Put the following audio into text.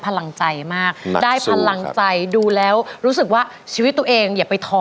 พลังใจมากได้พลังใจดูแล้วรู้สึกว่าชีวิตตัวเองอย่าไปท้อ